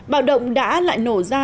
bạo động đã lại nổ ra